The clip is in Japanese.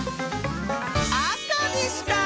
あかでした！